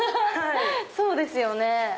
そうですよね。